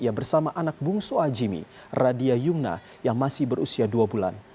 ia bersama anak bungsu ajimmy radia yumna yang masih berusia dua bulan